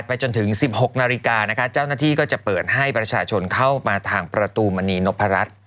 จนถึง๑๖นาฬิกานะคะเจ้าหน้าที่ก็จะเปิดให้ประชาชนเข้ามาทางประตูมณีนพรัช